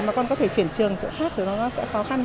mà con có thể chuyển trường chỗ khác thì nó sẽ khó khăn